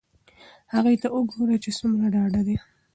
هغې ته وگوره چې څومره ډاډه ده.